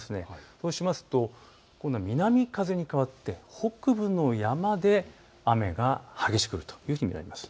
そうすると南風に変わって北部の山で雨が激しく降ると見られます。